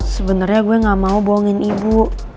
sebenarnya gue gak mau bohongin ibu